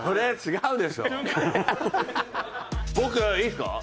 僕いいですか？